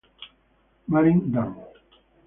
Marin Dan